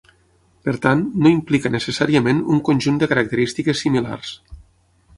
Per tant, no implica necessàriament un conjunt de característiques similars.